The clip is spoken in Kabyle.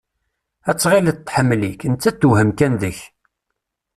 Ad tɣilleḍ tḥemmel-ik, nettat tewhem kan deg-k.